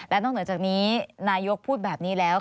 และนอกเหนือจากนี้นายกพูดแบบนี้แล้ว